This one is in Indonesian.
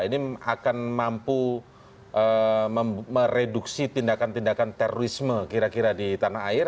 ini akan mampu mereduksi tindakan tindakan terorisme kira kira di tanah air